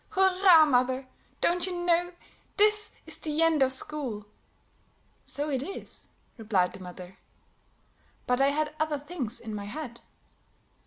"Hurrah, mother! Don't you know? This is the end of school." "So it is," replied the mother. "But I had other things in my head."